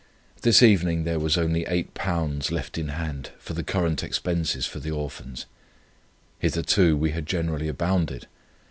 This evening there was only £8 left in hand for the current expenses for the Orphans. Hitherto we had generally abounded.